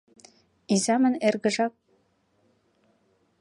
Изамын эргыжак...